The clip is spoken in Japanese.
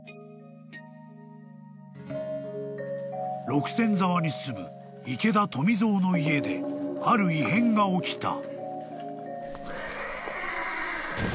［六線沢に住む池田富蔵の家である異変が起きた］・・